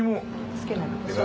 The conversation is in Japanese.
つけなくても。